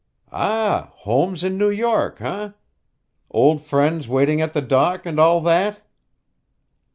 "Ah! Home's in New York, eh? Old friends waiting at the dock, and all that!"